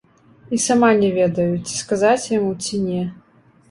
І сама не ведаю, ці сказаць яму ці не?